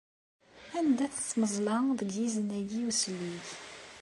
Anda-tt tmeẓla deg yizen-agi uslig?